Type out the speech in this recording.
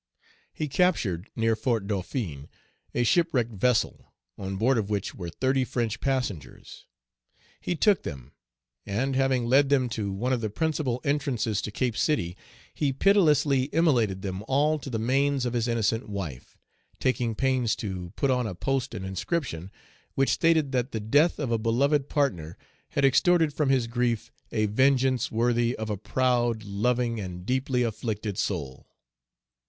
He captured, near Fort Dauphin, a shipwrecked vessel, on board of which were thirty French passengers. He took them, and having led them to one of the principal entrances to Cape City, he pitilessly immolated them all to the manes of his innocent wife, taking pains to put on a post an inscription, which stated that the death of a beloved partner had extorted from his grief a vengeance worthy of a proud, loving, and deeply afflicted soul.